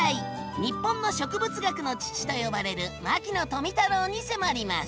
「日本の植物学の父」と呼ばれる牧野富太郎に迫ります！